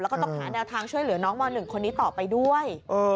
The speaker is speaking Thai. แล้วก็ต้องหาแนวทางช่วยเหลือน้องม๑คนนี้ต่อไปด้วย